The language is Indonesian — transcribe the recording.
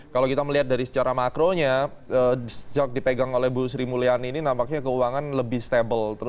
kalau kita melihat dari secara makronya sejak dipegang oleh bu sri mulyani ini nampaknya keuangan lebih stable